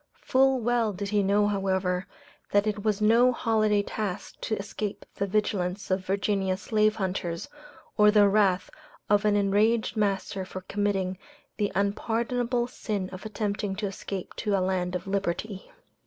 Full well did he know, however, that it was no holiday task to escape the vigilance of Virginia slave hunters, or the wrath of an enraged master for committing the unpardonable sin of attempting to escape to a land of liberty.